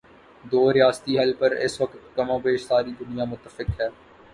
دو ریاستی حل پر اس وقت کم و بیش ساری دنیا متفق ہے۔